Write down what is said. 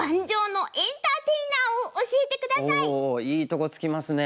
おおいいとこつきますね。